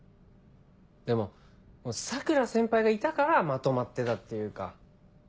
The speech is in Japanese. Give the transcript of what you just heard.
でも桜先輩がいたからまとまってたっていうか。